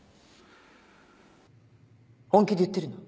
本気で言ってるの？